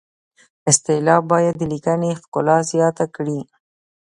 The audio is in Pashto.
اصطلاح باید د لیکنې ښکلا زیاته کړي